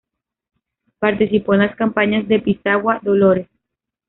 Participó en las campañas de Pisagua, Dolores.